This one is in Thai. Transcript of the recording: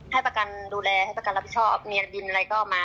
ให้ประกันดูแลให้ประกันรับผิดชอบเมียบินอะไรก็มา